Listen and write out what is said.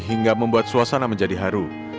hingga membuat suasana menjadi haru